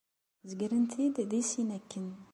Zegren-t-id di sin akken.